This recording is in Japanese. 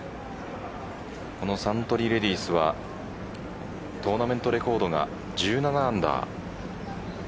このサントリーレディスはトーナメントレコードが１７アンダー。